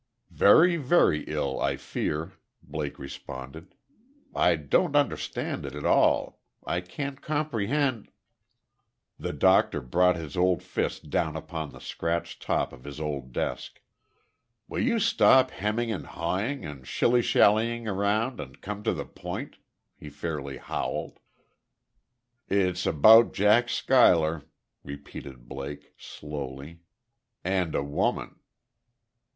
"Very, very ill, I fear," Blake responded. "I don't understand it at all. I can't comprehend " The doctor brought his old fist down upon the scratched top of his old desk. "Will you stop hemming and hawing and shilly shallying around and come to the point!" he fairly howled. "It's about Jack Schuyler," repeated Blake, slowly, "and a woman."